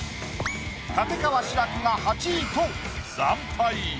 立川志らくが８位と惨敗。